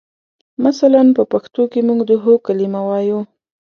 مثلاً پښتو کې موږ د هو کلمه وایو.